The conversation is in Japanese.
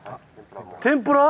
天ぷらを。